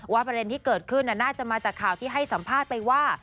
ประเด็นที่เกิดขึ้นน่าจะมาจากข่าวที่ให้สัมภาษณ์ไปว่า